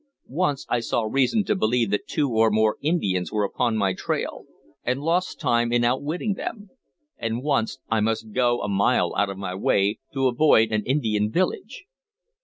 Once I saw reason to believe that two or more Indians were upon my trail, and lost time in outwitting them; and once I must go a mile out of my way to avoid an Indian village.